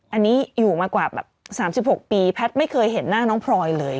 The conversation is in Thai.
อันนี้อยู่มากว่าแบบ๓๖ปีแพทย์ไม่เคยเห็นหน้าน้องพลอยเลย